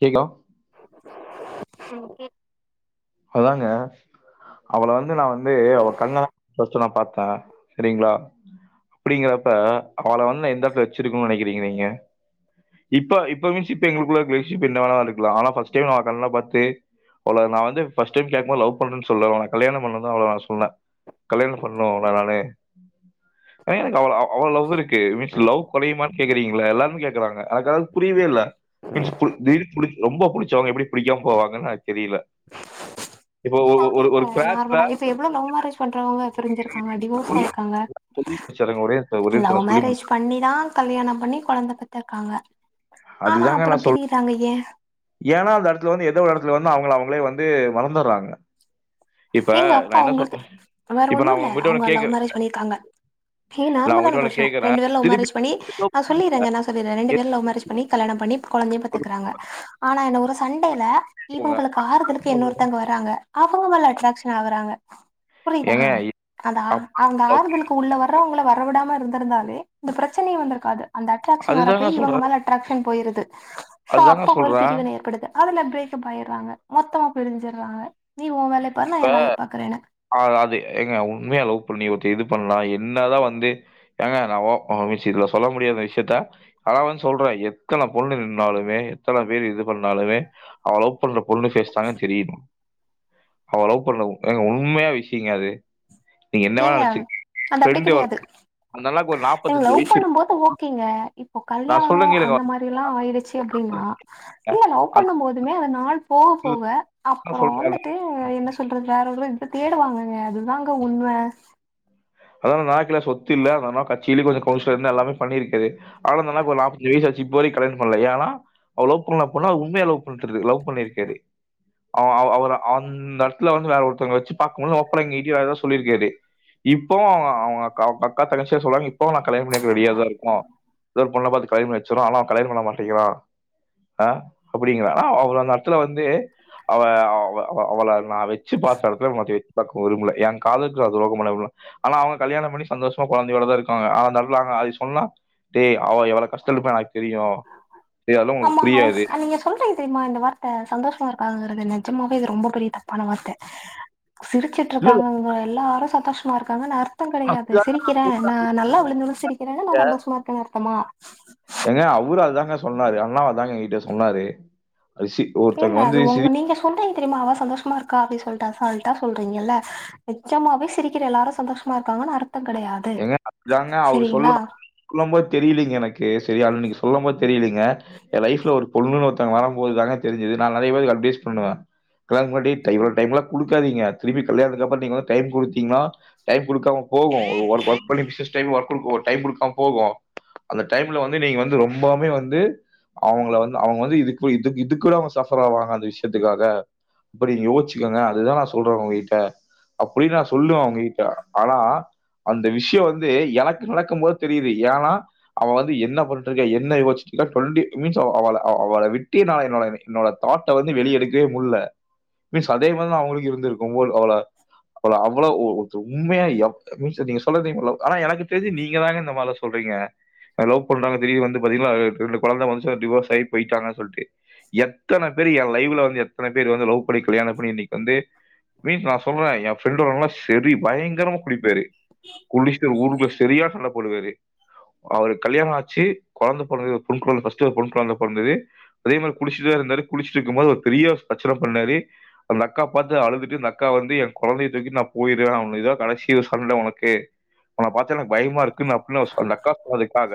கேக்கோ ம் கேக் அதாங்க அவள வந்து நா வந்து அவ கண்ண தா ஃபஸ்ட் நா பாத்தே ஆஹ் செரிங்களா அப்டிங்கறப்ப அவள வந்து நா எந்த எடத்துல வெச்சுருக்கனோன்னு நெனைக்கிறீங்க நீங்க இப்ப இப்ப மீன்ஸ் இப்ப எங்களுக்குள்ள ஃப்ரெண்ட்ஷிப் என்ன வேனா இருக்கலா ஆனா ஃபஸ் டைம் அவ கண்ண பாத்து அவள நா வந்து ஃபர்ஸ் டைம் கேக்கும் போது லவ் பண்ணனும் சொல்ல அவள கல்யாணோ பண்ணனுதா அவள நா சொன்னே கல்யாணோ பண்ணனும் உங்கள நானு ஏனா எனக்கு அவ்ளோ லவ் இருக்கு மீன்ஸ் லவ் படியுமா கேக்குறீங்க எல்லாருமே கேக்குறீங்கல்ல எனக்கு அது புரியவே இல்ல [unintelligible] ரொம்ப புடிச்ச அவுங்க எப்டி புடிக்காம போவாங்கன்னு தெரியல இப்போ நா ஒரு ஒரு- ஒரு கேக்குறே கிராஸ்ல நார்மலா இப்ப எவ்ளோ லவ் மேரேஜ் பண்றவங்க பிரிஞ்சிருக்காங்க டிவோஸ் சொல்லி ஆயிருக்காங்க சொல்லி முடிச்சாருங்க ஒரே நிமிஷம், ஒரே நிமிஷம் லவ் நான் சொல்லி முடிச்சு மேரேஜ் பண்ணி தா கல்யாணோ பண்ணி கொழந்த பெத் காங்க ஆனா அதுதாங்க அப்புறோ நான் சொல்றேன். பிரிறாங்க ஏன் ஏன்னா அந்த இடத்துல வந்து ஏதோ ஒரு இடத்துல வந்து அவுங்க அவுங்களே வந்து மறந்துட்றாங்க எங்க அப்பா அவுங்களுக்கு வேற இப்ப நான் ஒண்ணுல்ல உங்ககிட்ட அவுங்க ஒண்ணு லவ் கேட்கிறேன். மேரேஜ் பண்ணிருக்காங்க எ நான் நார்மலான உங்ககிட்ட ஒண்ணு விஷயோ கேட்கிறேன். ரெண்டு பேர் லவ் திருப்பி மேரேஜ் பண்ணி நா சொல்லிறேங்க நா சொல்லிறே ரெண்டு பேரும் லவ் மேரேஜ் பண்ணி கல்யாணம் பண்ணி கொழந்தையு பெத்துக்குறாங்க ஆனா என்ன ஒரு சண் யில இவுங்களுக்கு ஆறுதலுக்கு இன்னொருத்தவங்க வராங்க அவுங்க [unintelligible] ஷன் ஆவுறாங்க புரிதா ஏங்க அந்த அப்பா அங்க ஆறுதலுக்கு உள்ள வர்றாங்களே வரவிடாம இருந்திருந்தாலே இந்த பிரச்சனையே வந்திருக்காது அந்த அட்ராக்ஷன் வர அதுதாங்க போய் இவுங்க சொல்றேன். மேல அட்ராக்ஷன் போயிருது சோ அதுதாங்க அப்ப ஒரு சொல்றேன். பிரிவினை ஏற்படுது அதுல பிரேக்கப் ஆயிட்றாங்க மொத்த பிரிஞ்சுட்றாங்க நீ உன் வேல இப்ப அ அது எங்க உண்மைய லவ் பண்ணி ஒருத்த இது பண்ணா என்னதா வந்து ஏங்க நா ஒ [unintelligible] இதுல சொல்ல முடியாத விஷயத்த அத்னா வந்து சொல்றே எத்தன பொண்ணு இருந்தாலுமே எத்தன பேர் இது பண்ணாலுமே அவே லவ் பண்ற பொண்ணு ஃபேஸ் தாங்க தெரியுனோ அவ லவ் பண்ணல எங்க உண்மையா விஷயங்க அது நீங்க என்ன வேணா ஏங்க நினைச்சுக்கங்க. அது அப்டி ஃப்ரெண்ட் ஒரு கெடையாது அந்த அண்ணாக்கு ஒரு நீங்க லவ் வயசு இருக்கும். பண்ணும்போது ஓகேங்க ஓ நான் கல்யாணோ சொல்றேன் கேளுங்க அந்த வந்துங்க. மாரில்லா ஆயிருச்சு அப்டின்னா இல்லல்ல லவ் அந்த பண்ணும் போதுமே நாள் போக போக அப்புறோ சொல்றேன். வந்துட்டு என்ன சொல்றது வேற ஒரு தேடுவாங்கங்க அதுதாங்க உண்ம பஸ் அதனால நாக்கிலாஸ் சொத்தி இல்ல அந்த அண்ணாவ கட் கிளிகொள கவுன்சிலர்ன்னு எல்லாமே பண்ணியிருக்குது ஆனா அந்த அண்ணாக்கு ஒரு நாப்பத்தஞ்சு வயிசாச்சி இப்பவரைக் கல்யாணோ பண்ணல ஏன்னா அவர் லவ் பண்ண பொண்ணு அவர உண்மையா லவ்பண்டிரு லவ் பண்ணி இருக்கு அது அவ் அவ் அவ்ளோதா அந்த எட்துல வந்து வேற ஒருத்தங்கள வெச்சு பாக்க முடிலனு ஓப்பனா எங்க எல்லார் கிட்டியு சொல்லிருக்கு அது இப்ப இப்போவு அவுங்க அவுங்க அக்கா அக்கா தங்கச்சி சொல்றாங்க இப்பவு நா கல்யாணோ பண்ணிவெக்க ரெடியா தா இருக்கோ ஏதோ ஒரு பொண்ண பாத்து கல்யாணோ பண்ணி வெச்சிட்ரோ ஆனா அவ கல்யாணோ பண்ண மாட்டேங்கிறா ஆஹ அப்டிங்கிற ஆனா அவரு அந்த எடத்துல வந்து அவ அவ்வ அவ்வ அவள நா வெச்சு பாத்த எடத்துல பாக்க விரும்பல ஏன் காதலுக்கு நா துரோகம் பண்ண விரும்பு ஆனா அவங்க கல்யாணம் பண்ணி சந்தோஷமா குழந்தையோட தான் இருக்காங்க ஆனா நடுவுல நான் இன்னொன்னு சொல்லணும் டேய் அவ எவ்ளோ கஷ்டப்பட்டுருப்பானு எனக்கு தெரியும் டேய்! அதெல்லாம் உனக்கு ஆமா புரியாது." அவங்க நீங்க சொல்றீங்க தெரியுமா இந்த வார்த்தை சந்தோஷமா இருக்காங்கிறது நஜம்மாவே இது ரொம்ப பெரிய தப்பான வார்த்தை சிரிச்சிட்டு இல்ல, இல்ல. இருக்காங்க எல்லாரும் சந்தோஷமா இருக்காங்கனு அ ர்த்தம் கிடையாது அதுதாங்க நான் சிரிக்கிறேன் சொல்றேங்க. நான் நல்லா விழுந்து விழுந்து சிரிக்கிறேன்னு நான் சந்தோஷமா இருக்கேனு அர்த்தமா ஏங்க அவரு அதுதாங்க சொன்னாரு அண்ணாவ தான்ங்க என்கிட்ட சொன்னாரு அது சி ஒருத்தங்க வந்து சிரி தெரியுமாவா அவ சந்தோஷமா இருக்கா அப்படின் சொல்ட்டு அசால்ட்டா சொல்றீங்கல்ல நிஜமாவே சிரிக்கிற எல்லாரும் சந்தோஷமா இருக்காங்கன்னு அர்த் ஏங்க அப்டித்தாங்க அவரு சொல்ல சொல்லபோது தெரியலீங்க எனக்கு சரி அன்னிக்கு சொல்லும் போது தெரியளைங்க என் லைஃப்ல ஒரு பொண்ணுன்னு ஒருத்தவங்க வரம்போதுத்தாங்க தெரிஞ்சுது நான் நெறய பேர்க்கு அட்வைஸ் பண்ணுவேன் கல்யாணத்துக்கு முன்னாடி இவ்ளோ டைம் லாம் குடுக்காதீங்க திருப்பி கல்யாணத்துக்கு அப்புறம் நீங்க டைம் குடுத்தீங்கன்னா டைம் குடுக்காம போகும் ஒர்க் பண்ணி [unintelligible] ஒரு டைம் குடுக்காம போகும் அந்த டைம்ல வந்து நீங்க வந்து ரொம்பாமே வந்து அவங்கள வந்து அவங்க வந்து இதுக்கு இது இது கூட அவங்க சஃபர் ஆவாங்க அந்த விஷயத்துக்காக அப்படி நீங்க யோசிச்சுக்கோங்க அதுதான் நான் சொல்றேன் அவங்ககிட்ட அப்படின் நான் சொல்லுவேன் அவங்க கிட்ட ஆனா அந்த விஷயம் வந்து எனக்கு நடக்கும் போது தெரியுது ஏன்னா அவ வந்து என்ன பண்ணிட்டு இருக்கா என்ன யோசிச்சுட்டு இருக்கா டுவெண்ட்டி மினிட்ஸ் அவ அவளை விட்டியனால என்னோட என்னோட தாட்ட வந்து வெளிய எடுக்கவே முடியல மீன்ஸ் அதே மாதிரிதான் அவங்களுக்கு இருந்து இருக்கும் போது அவள அவள அவ்வளோ உண்மையா சரி நீங்க சொல்றீ ஆனா எனக்கு தெரிஞ்ச நீங்க தாங்க இந்த மாரில்லாம் சொல்றீங்க லவ் பண்றாங்க திடீர்னு வந்து பாத்தீங்கன்னா ரெண்டு குழந்தை வந்து டிவோர்ஸ் ஆகி போயிட்டாங்க சொல்லிட்டு எத்தனை பேர் என் லைவ்ல வந்து எத்தனை பேர் வந்து லவ் பன்னி கல்யாண பண்ணி இனைக்கு வந்து மீன்ஸ் நான் சொல்றேன் என் ஃப்ரெண்டோடல்லாம் சரி பயங்கரமா குடிப்பாரு குடிஷ்ட்டு ஊ ள்ள செரியான சண்ட போல இருக்கு அவருக்கு கல்யாணம் ஆச்சு குழந்தை பிறந்தது பெண் குழந்தை ஃபர்ஸ்ட் ஒரு பெண் குழந்தை பிறந்தது அதே மாதிரி குடிச்சிட்டே இருந்தாரு குடிச்சிட்டு இருக்கும் போது ஒரு பெரிய பிர்ச்சன பண்ணாரு அந்த அக்கா பாத்து அழுதுட்டு அந்த அக்கா வந்து என் குழந்தைய தூக்கிட்டு நான் போயிருவேன் இதான் கடைசி ஒரு சண்டை உன க்கு அவனை பாத்தா எனக்கு பயமா இருக்குனு அப்பன்னு அவ அந்த அக்கா சொன்னாக்கா அதுக்காக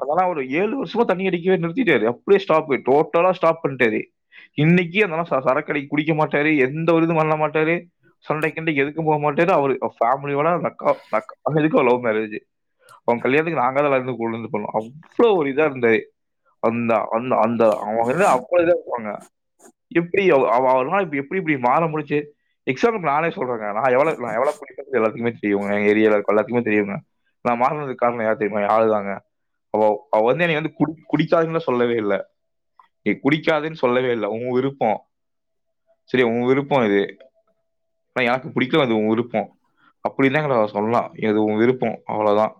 அதனால அவரு ஏழு வருஷமா தண்ணி அடிக்கவே நிறுத்திட்டாரு அப்படியே ஸ்டாப் இட் டோட்டலா ஸ்டாப் பண்ணிட்டாரு இன்னைக்கு அந்த அண்ணன் சரக்கடிக்க குடிக்க மாட்டாரு எந்த ஒரு இதுவும் பண்ண மாட்டாரு சண்டைக்கு கிண்டைக்கு எதுக்கும் போக மாட்டாரு அவரு அவரு பேமிலியோட அந்த அக் [unintelligible] லவ் மேரேஜ் அவன் கல்யாணத்துக்கு நாங்க தான் [unintelligible] சொன்னோம் அவ்ளோ ஒரு இதா அந்த அந்த அந்த அந்த அவங்கந்து அப்ப இதான் இருப்பாங்க எப்படி [unintelligible] அவரால எப்படி இப்படி மாற முடிச்சு எக்ஸாம்புளுக்கு நானே சொல்றேங்க நான் எவ்வளவு நான் எவ்வளவு குடிபேண்ணு எல்லாதுக்குமே தெரிய எ ஏரிய இருக்க எல்லாதுக்குமே தெரியுங்க நான் மாறனதுக்கு காரணம் யார் தெரியுமா என் ஆளுதாங்க அவ அவ வந்து என வந்து கு குடிக்காதுன்ன சொல்லவே இல்லை நீ குடிக்காதுன்னு சொல்லவே இல்லை உன் விருப்பம் செரிய உன் விருப்பம் இது ஆனா யாருக்கும் புடிக்காது உன் விருப்பம் அப்டிதான் எங்கள சொல்லலாம் எது உன் விருப்பம் அவ்ளோதான்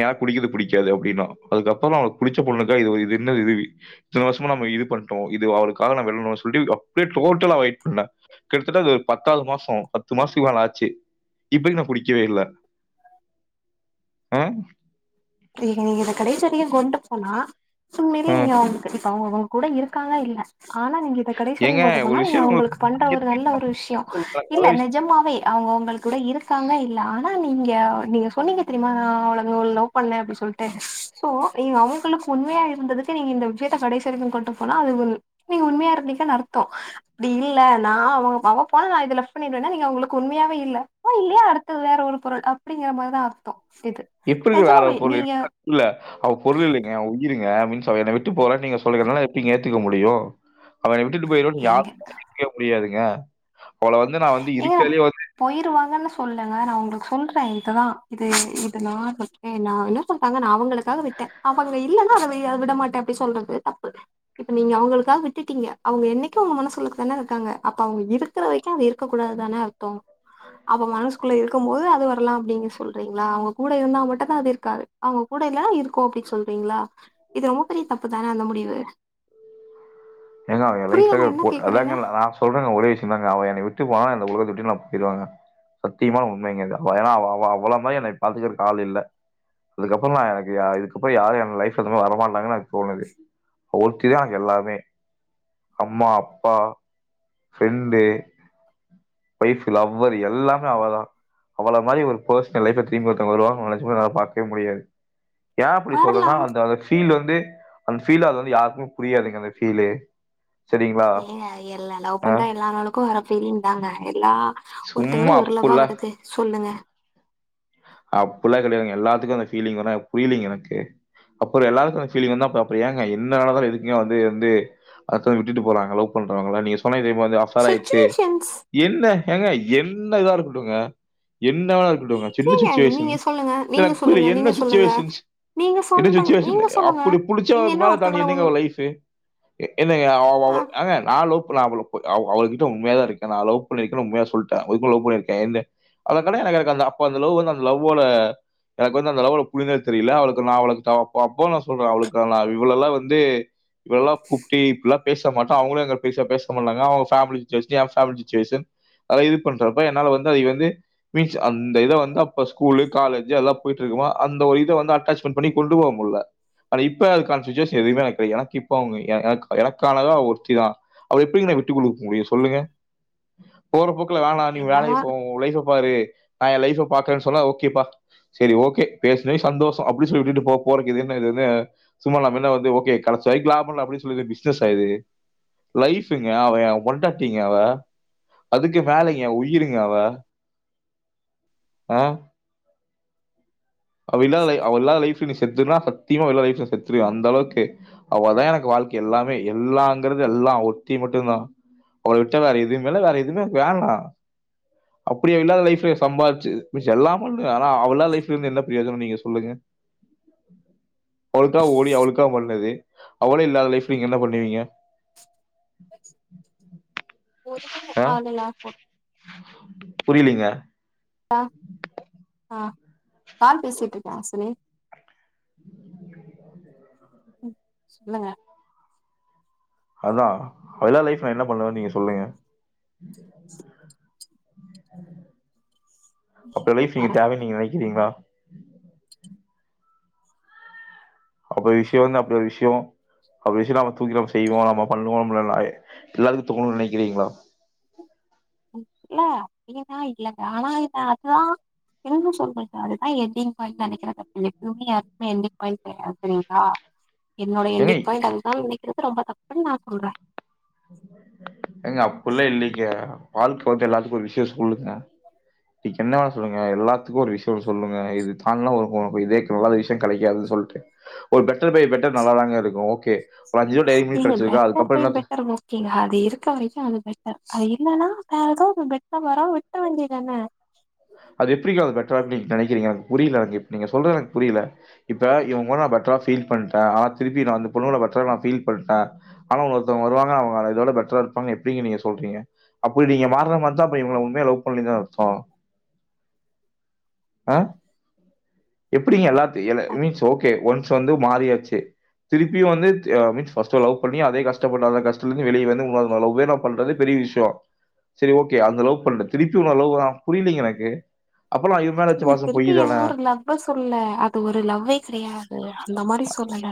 எனக்கு குடிக்கிறது பிடிக்காது அப்டின்னான் அதுக்கப்பறம் அவருக்கு புடிச்ச பொண்ணுக்காக இது என்னது இது இத்தன வருஷமா நம்ம இது பண்ணிட்டோம் இது அவருக்காக நம்ம விடணும்னு சொல்லிட்டு அப்படியே டோட்டலா அவாய்ட் பண்ணிட்டான் கிட்டத்தட்ட அது ஒரு பத்தாவது மாசம் பத்து மாசத்துக்கு மேல ஆச்சு இப்பயும் நான் குடிக்கவே இல்ல ஆஹ் நீக நீங்க இத கடைசி அவரைக்கும் கொண்டு போனா சோ உண்மையிலேயே நீங்க அவங்கல [unintelligible] அவங்க அவங்க கூட இருக்காங்க இல்ல ஆனா நீங்க இத கடைசிவர ஏங்க கொண்டு ஒரு போன நீங்க விஷயம் அவங்களுக்கு பண்ற ஒரு உங்களுக்கு நல்ல ஒரு விஷயம் இல்ல நல்ல விஷயம் நிஜமாவே அவுங்க கூட இருக்காங்க இல்ல ஆனா நீங்க நீங்க சொன்னீங்க தெரியுமா நா அவ்ளங்க லவ் பண்ணல அப்டின்னு சொல்லிட்டு சோ நீங்க அவங்களுக்கு உண்மையா இருந்ததுக்கு நீங்க இந்த விஷயத்தை கடைசி வரைக்கும் கொண்டு போனா அது ஒரு நீங்க உண்மையா இருந்திருக்கீங்கன்னு அர்த்தம் அப்டி இல்ல நான் அவங்க அவங்க பண்ணல நான் இதுல பண்ணிருவேன்னா நீங்க அவங்களுக்கு உண்மையாவே இல்ல ஓ இல்லையா அடுத்தது வேற ஒரு பொருள் அப்படிங்கற மாதிரி தான் அர்த்தம் டி இது வேற பொருள் இல்ல புரில அவ பொருள் இல்லைங்க அவ உயிருங் மீன்ஸ் விட்டு போகல நீங்க சொல்றிங்க என்னால எப்டிங்க ஏத்துக்க முடியும் அவனை விட்டு போயிடுவான்னு ஏங்க யாருமே [unintelligible] அவள வந்து நா வந்து இருக்கற்லே வந்து இல்லனு சொல்லங்க நா உங்களுக்கு சொல்றே இது தா இது இது நா [inaudible] நா என்ன சொல்றங்க நா அவங்களுக்காக விட்டே அவங்க இல்லன்னா அத வே விட மாட்டே அப்டி சொல்றது தப்பு இப்ப நீங்க அவங்களுக்காக விட்டுட்டீங்க அவங்க என்னைக்கு உங்க மனசு உள்ளுக்கதானா இருக்காங்க அப்ப அவங்க இருக்கற வரைக்கு அவங் இருக் இருக்க கூடாத் தான அர்த்தோ அவ மனஸ்க்குள்ள இருக்கும் போது அது வரலா அப்டின் நீங்க சொல்றீங்ளா அவங்க கூட இருந்தா மட்டு தா அது இருக்காது அவங்க கூட இல்லனா இருக்கு அப்டி சொல்றீங்ளா ஏங்க அவ என் புரியுதா லைஃப்லவே நான் ஒரு என்ன ஃபோர் அதாங்க கேக்குறேன்னு ந நா சொல்றங்க ஒரே விஷ்யோ தாங்க அவ என்னய விட் டு போனா இந்த உலகத்த விட்டே நா போய்ருவங்க சத்தியமான உண்மைங்க இது அவ் ஏனா அவ அவ அவள மாரி என்னய பாத்துக்கற்கு ஆள் இல்ல அதுக்கப்றோ நா எனக்கு யா இதுக்கப்றோ யாரு என் லைஃப் [unintelligible] வரமாட்டாங்களாங் தோணுது அவ ஒருத்தி தா எனக் எல்லாமே அம்மா அப்பா ஃப்ரெண்டு, ஒய்ஃப்பு, லவ்வரு எல்லாமே அவ தா அவள மாரி ஒரு பர்சன் எ லைஃப்ல திரும்பி ஒருத்தவங் வருவாங்ன் நெனச்சுகூட என்னால பாக்கவே முடியாது ஏ அப்டி சொல்றன்னா வரலாம் அந்த அந்த ஃபீல் வந் து அந்த ஃபீல் அது வந்து யார்க்குமே புரியாதுங்க அந்த ஃபீலு சரிங்களா ஏங்க எல்லா லவ் ஆ பண்ற எல்லா ஆளுக்கு வர ஃபீலிங்தாங்க எல்லா சும்மா ஒருத்தங்களு ஒரு லவ்வா அப்புட்லா வருது சொல்லு ங்க அப்புட்லா கெடையாதுங்க எல்லாத்துக்கு அந்த ஃபீலிங் வர புரியலீங் எனக்கு அப்பறோ எல்லாருக்கு அந்த ஃபீலிங் வந்தா அப்ற அப்றோ ஏங்க என்ன நடந்தாலு எதுக்குங்க வந்து வந்து அடுத்தவங்க விட்டுட்டு போறாங்க லவ் பண்றவாங்களா நீங்க சொன்ன இதே வந்து அஃபெர் ஆயிர்ச்சு சுச்சுவேஷன்ஸ் என்ன ஏங்க என்ன இதா இருக்கட்டுங்க என்ன வேணா இருக்கட் என்ன ஏங்க சுச்சுவேஷன் நீங்க சொல்லுங்க நீங்க எனக்கு புரில சொல்லுங்க என்ன நீங்க சொல்லுங்க சுச்சுவேஷனஸ் நீங்க என்ன சொல்ற சுச்சிவேஷன் நீங்க சொல்லுங்க அப்புடி நீங்க புடிச்சவங்க் என்ன மேல தாண்டி ஒருத்தங்கள என்னங்க உண் ஒரு லைஃபு எ என்னங்க அவ அவ ஆ ஏங்க நா லவ் [unintelligible] அவள போய் அவ் அவள் கிட்ட உண்மையா தா இருக்கே நா லவ் பண்ணிருக்கேனு உண்மையா சொல்லிட்டே ஒரு பொண்ண லவ் பண்ணிருக்கே என்ன அவ கல்யாண ஆகாத [unintelligible] அப்ப அந்த லவ் வந்து அந்த லவ்வோட எனக்கு வந்து அந்த லவ்ல புரிதல் தெரில அவளுக்கு நா அவளுக்கு தா அப்ப அப்போ நா சொல்றே அவளுக்கு நா இவ்ளோலா வந்து இவ்ளல்லா கூப்ட்டி இப்பிட்லா பேசமாட்ட அவுங்களு எங்க பேச பேசமாட்டாங்க அவுங்க ஃபேமிலி சுச்சிவேஷன் எ ஃபேமிலி சுச்சிவேஷன் அத இது பண்றப்ப என்னால வந்து அத வந்து மீச் அந் இந்த இத வந்து அப்ப ஸ்கூலு காலேஜு அதல்லா போயிட்டு இருக்கும்போ அந்த ஒரு இத வந்து அட்டாச்மெண்ட் பண்ணி கொண்டு போக முட்ல ஆன இப்ப அதுக்கான சுச்சிவேஷன் எதுவுமே எனக்கு கெடையாது எனக் இப்ப அவங்க எ எனக் எனக்கானவ ஒருத்தி தா அவள எப்டிங்க விட்டுக் குடுக் முடியு சொல்லுங்க போற போக்குல வேணா நீ என்னவா வேலைக் போ உ லைஃப்ப பாரு நா எ லைஃப்ப பாக்கறே சொன்னா ஓகேப்பா செரி ஓகே பேஸ்னதே சந்தோஷோ அப்டி சொல்லி விட்டுட்டு போ போறக்கு இது என்ன இது என்ன சும்மா நாம என்ன வந்து ஓகே கெடைச்சவரைக் லாபோல்ல அப்பிடி சொல்லுற பிஸ்னஸ்ஸா இது லைஃப்ங்க அவ எ பொண்டாட்டிங்க அவ அதுக்கு மேலைங்க எ உயிருங்க அவ ஆஹ் அவ இல்லாத லை அவ இல்லாத லைஃப் விட்டுட்டு செத்துருன்னா சத்தியமா அவ இல்லா லைஃப்ல செத்துருவே அந்தளவுக்கு அவ தா எனக்கு வாழ்க்க எல்லாமே எல்லாங்கறது எல்லா அவ் ஒர்த்தி மட்டு தா அவள விட்டா வேற எதுமே இல்ல வேற எதுமே எனக் வேண்டா அப்டியவ இல்லாத லைஃப்ல சம்பார்ச்சு மிச்ச எல்லா பண்ணுவே ஆனா அவ இல்லா லைஃப்ல இருந்து என்னப் பிரயோஜனோ நீங்க சொல்லுங்க அவளுக்கா ஓடி அவளுக்கா பண்ணது அவளே இல்லாத லைஃப் நீங்க என்ன பண்ணுவீங்க ஒருமணி ஆ? [unintelligible] புரியலீங்க ஆஹ் அ கால் பேசிட்ருக்கே ஹாசினி சொல்லுங்க அதா அவயில்லா லைஃப் நா என்ன பண்ணுவன் நீங்க சொல்லுங்க அப்டி ஒரு ஐயையோ லைஃப் நீங்க வரல தேவைன் நீங்க நெனைக்கிறீங்ளா அப்டி ஒரு விஷ்யோ வந்து அப்டி ஒரு விஷ்யோ அப்டி விஷ்யோ நம்ம தூக்கி நம்ம செய்வோ நம்ம பண்ணுவோ நம்மல [unintelligible] எல்லாருக்கு [unintelligible] நெனைக்கிறீங்ளா இல்ல அப்டியெல்லா இல்லங்க, ஆனா இத அதுதா என்ன சொல்றது அதுதா என்டிங் பாயிண்ட்னு நெனைக்கிற தப்பில்ல எப்பவுமே யாருக்குமே என்டிங் பாயிண்ட் கெடையாது சேரிங்களா என்னோட ஏங்க என்டிங் பாயிண்ட் அதுதா நெனைக் இது வந் ரொம்ப தப்புன் நா சொல்றே ஏங்க அப்பில்லா இல்லிங்க வாழ்க்க வந்து எல்லாத்துக்கு ஒரு விஷ்யோ சொல்லுங்க [unintelligible] என்ன வேண சொல்லுங்க எல்லாத்துக்கு ஒரு விஷ்யோ சொல்லுங்க இது [unintelligible] இதே நல்ல விஷயோ கெடைக்காது சொல்ட்டு ஒரு பெ பெட்டர் பைபெட்டர் நல்லாதாங்க இருக்கு ஓக் கே ஏங்க பெட்டர் பை பெட்டர் ஓக்கேங்க அது இருக்க வரைக்கு அது பெ [unintelligible] அது இல்லன்னா வேற எதா பெட்ரா வரு விட்ற வேண்டிதான அது எப்டிங்க அது பெட்ரா அப்டின் நெனைக்கிறீங்க எனக்கு புரியல எனக்கு நீங்க சொல்றத் எனக்கு புரியில இப்ப இவங் கூட நா பெட்ரா ஃபீல் பண்ட்டே ஆனா திருப்பி நா அந்த பொண்ணோட பெட்டரா நா ஃபீல் பண்ட ஆனா ஒருத்தவங்க வருவாங்க அவுங்க இதோட பெட்ரா இருப்பாங்க எப்டிங்க நீங்க சொல்றிங்க அப்பிடி நீங்க மார்னா மாரி தா அப்போ இவுங்கல உண்மயா லவ் பண்லே தானே அர்த்தோ ஆ எப்டிங்க எல்லாத் தியல மீன்ஸ் ஓகே ஒன்ஸ் வந்து மாறியாச்சு திருப்பி வந்து தேவ மீன்ஸ் ஃபஸ்ட்டு லவ் பண்ணி அதே காஸ்ட் கஷ்ட படாத கஷ்டலேந்து வெளில வந் [unintelligible] லவ்வே நா பண்றது பெரிய விஷியோ செரி ஓக்கே அந்த லவ் பண்ற திருப்பியுமா லவ் வரு புரியிலைங்க எனக்கு, அப்பன்னா இவரு மேல வெச்ச பாசம் பொய்யிதான துல்ல அது ஒரு லவ்வே கிடையாது அந்த மாரி சொல்லல,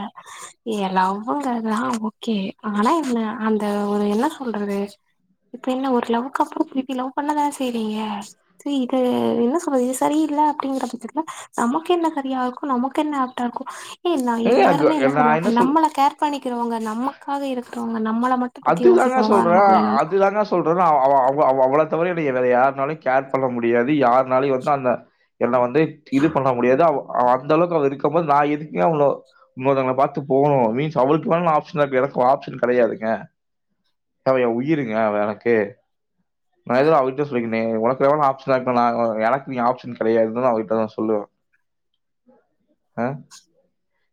ஏ லவ்வுங்கறதுலா ஓகே ஆனா என்ன அந்த ஒரு என்ன சொல்றது இப்ப என்ன ஒரு லவ்வுக்கு அப்பறோ திருப்பி லவ் பண்ணதா செய்றீங்க சரி இது என்ன சொல்றது இது சரியில்ல அப்டிங்கிற பட்சத்துல நமக்கு என்ன சரியா இருக்கோ நமக்கு என்ன ஆப்டா இருக்கோ [unintelligible] ஏங்க எல்லாருமே எனக்கு என்ன நான் சொல்லுவாங்க சொல் நம்மள கேர் பண்ணிக்கிறவங்க நமக்காக இருக்றவங்க நம்மள மட்டு பத்தி அதுதான யோசிக்கிறவங்கதா சொல்றே நமக்கு வேணுனு அதுதான சொல்றேன்ன அவ அவ அவ அவ அவ பாத்த மாரி நீங்க வேற யாருனால்யு கேர் பண்ண முடியாது யாருனால்யு வந்து அந்த என்ன வந்து டேட் இது பண்ண முடியாது அவ அவ அந்த அளவுக்கு அவ இருக்கும் போது நா எதுக்குங் அவ்ளோ இன்னோர்தங்ள பாத்து போனு மீன்ஸ் அவளுக்கு வேனா நா ஆப்ஷனா இருப்ப எனக் அவ ஆப்ஷன் கெடையாதுங்க அவ எ உயிருங்க அவ எனக்கு நா இதுவு அவிட்டே சொல்லிக்னே உனக் வேனா நா ஆப்ஃஷ்னா [unintelligible] எனக்கு நீ ஆப்ஷன் கெடையாது தா அவகிட்ட நா சொல்லுவ அ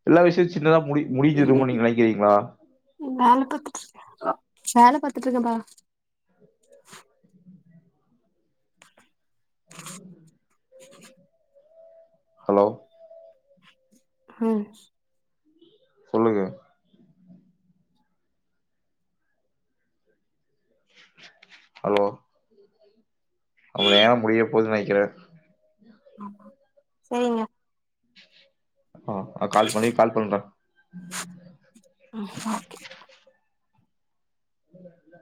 எல்லா விஷ்யு சின்னதா முடி முடிஞ்சிருமோ நீங்க நெனைக்கிறீங்களா [unintelligible] த பாத்துட்டுருக்கேன்ப்பா ஹலோ ம் சொல்லுங்க ஹலோ நம்ம நேரோ முடியபோதுன் நைக்கிற ஆமா செரிங்க ம் நா கால் பண்ணி கால் பண்ணற ம் ஓகே இல்லல இல்ல